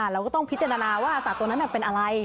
เราก็ต้องพิจารณาว่าสัตว์ตัวนั้นเป็นอะไร